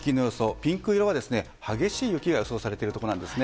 ピンク色は激しい雪が予想されているところです。